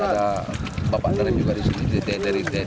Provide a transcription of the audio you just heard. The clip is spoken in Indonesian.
ada bapak bapak yang juga disini